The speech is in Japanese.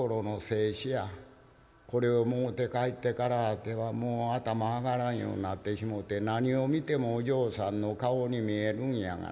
これをもろうて帰ってからあてはもう頭上がらんようになってしもうて何を見てもお嬢さんの顔に見えるんやがな。